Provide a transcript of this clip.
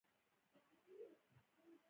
ښه چلند د خرڅ نښه ده.